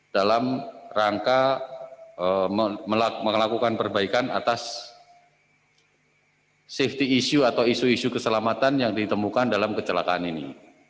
dalam rangka melakukan perbaikan atas safety issue atau isu isu keselamatan yang ditemukan dalam kecelakaan ini